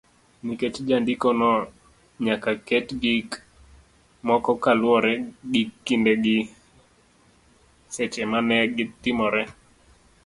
nikech jandikono nyaka ket gik moko kaluwore gi kinde gi seche ma ne gitimoree.